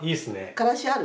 からしある？